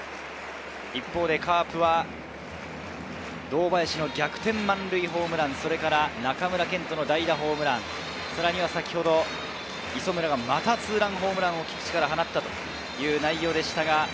一方でカープは堂林の逆転満塁ホームラン、中村健人の代打ホームラン、先ほど、磯村がまたツーランホームランを菊地から放ちました。